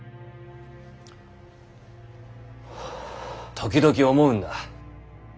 時々思うんだ。